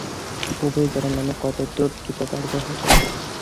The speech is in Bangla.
প্রভুই জানেন, আমি কত দূর কৃতকার্য হব।